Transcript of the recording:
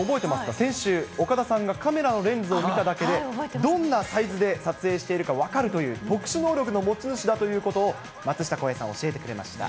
先週、岡田さんがカメラのレンズを見ただけで、どんなサイズで撮影しているか分かるという特殊能力の持ち主だということを、まつしたこうへいさん、教えてくれました。